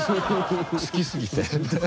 好きすぎて。